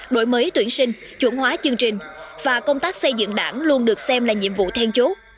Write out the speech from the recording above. đổi mới tuyển sinh chuẩn hóa chương trình và công tác xây dựng đảng luôn được xem là nhiệm vụ then chốt